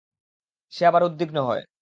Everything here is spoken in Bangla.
সে আবার উদ্বিগ্ন হয়।